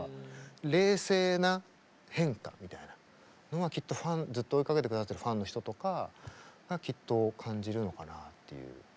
冷静な変化みたいなのはきっとずっと追いかけて下さってるファンの人とかがきっと感じるのかなっていう。